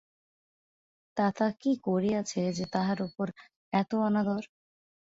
তাতা কী করিয়াছে যে, তাহার উপর এত অনাদর?